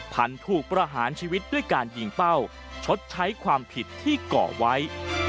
พันธุ์ถูกประหารชีวิตด้วยการยิงเป้าชดใช้ความผิดที่เกาะไว้